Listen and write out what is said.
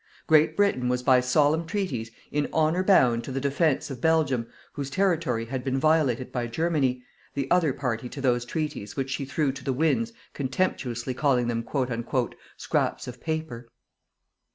Great Britain was by solemn treaties in honour bound to the defence of Belgium whose territory had been violated by Germany, the other party to those treaties which she threw to the winds contemptuously calling them "scraps of paper."